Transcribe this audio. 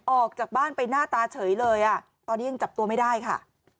ออกจากบ้านไปหน้าตาเฉยเลยอ่ะตอนนี้ยังจับตัวไม่ได้ค่ะ